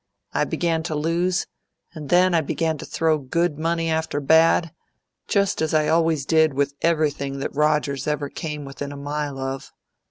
I began to lose, and then I began to throw good money after bad, just as I always did with everything that Rogers ever came within a mile of.